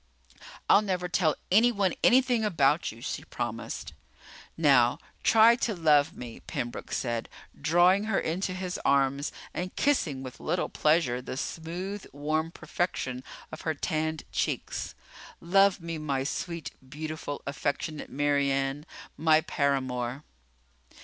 "I'll never tell anyone anything about you," she promised. "Now try to love me," Pembroke said, drawing her into his arms and kissing with little pleasure the smooth, warm perfection of her tanned cheeks. "Love me my sweet, beautiful, affectionate Mary Ann. My paramour."